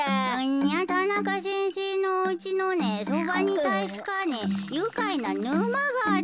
いやたなかせんせいのおうちのねそばにたしかねゆかいなぬまがあって。